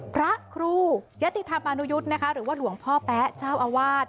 พระครูยติธรรมานุยุทธ์นะคะหรือว่าหลวงพ่อแป๊ะเจ้าอาวาส